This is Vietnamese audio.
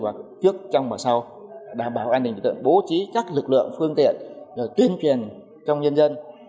và trước trong mùa sau đảm bảo an ninh trật tự bố trí các lực lượng phương tiện tuyên truyền trong nhân dân